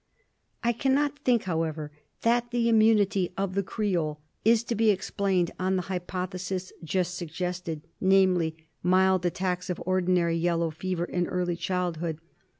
I cannot think, however, that the immunity of the Creole is to be explained on the hypothesis just suggested, namely, mild attacks of ordinary yellow fever in early childhood.